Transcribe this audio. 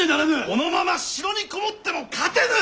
このまま城に籠もっても勝てぬ！